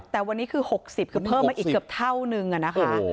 แต่วันนี้คือ๖๐คือเพิ่มมาอีกเกือบเท่านึงนะคะ